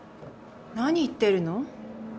何言ってるの？